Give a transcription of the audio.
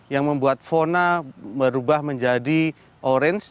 yang membuat fauna berubah menjadi orange